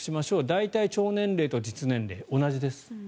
大体、腸年齢と実年齢同じです。